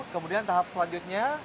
kemudian tahap selanjutnya